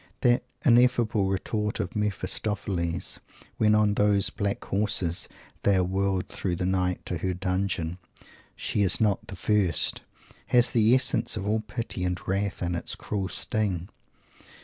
That ineffable retort of Mephistopheles, when, on those "black horses," they are whirled through the night to her dungeon, "She is not the first," has the essence of all pity and wrath in its cruel sting.